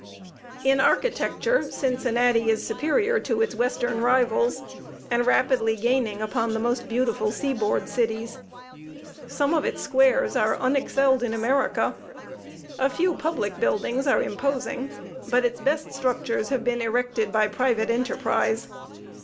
In architecture, Cincinnati is superior to its western rivals, and rapidly gaining upon the most beautiful seaboard cities. Some of its squares are unexcelled in America. A few public buildings are imposing; but its best structures have been erected by private enterprise.